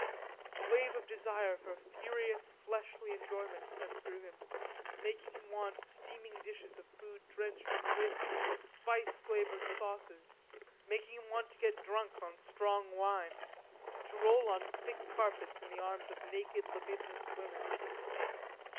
A wave of desire for furious fleshly enjoyments went through him, making him want steaming dishes of food drenched in rich, spice flavored sauces; making him want to get drunk on strong wine; to roll on thick carpets in the arms of naked, libidinous women.